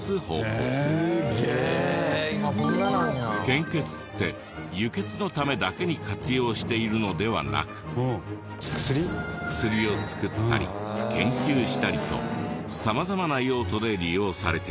献血って輸血のためだけに活用しているのではなく薬を作ったり研究したりと様々な用途で利用されている。